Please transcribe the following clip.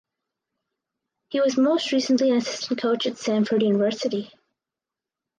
He was most recently an assistant coach at Samford University.